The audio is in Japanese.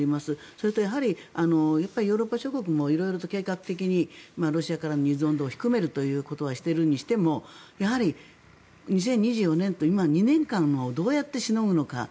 それと、ヨーロッパ諸国も色々と計画的にロシアからの依存度を低めるということはしているにしてもやはり２０２４年と今、２年間をどうやってしのぐのかと。